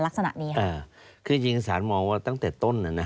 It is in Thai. กับตอนช่วงที่ลงมาตอนรอบที่๒